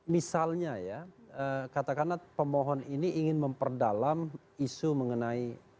misalnya ya katakanlah pemohon ini ingin memperdalam isu mengenai